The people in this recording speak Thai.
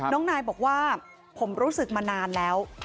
น้องนายบอกว่าผมรู้สึกมานานแล้ว